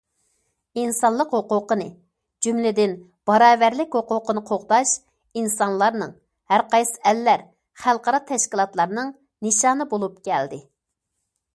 ئىنسانلىق ھوقۇقىنى، جۈملىدىن باراۋەرلىك ھوقۇقىنى قوغداش ئىنسانلارنىڭ، ھەرقايسى ئەللەر، خەلقئارا تەشكىلاتلارنىڭ نىشانى بولۇپ كەلدى.